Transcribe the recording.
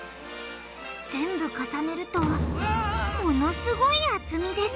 全部重ねるとものすごい厚みです！